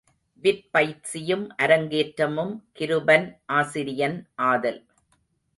விற்பயிற்சியும் அரங்கேற்றமும் கிருபன் ஆசிரியன் ஆதல்.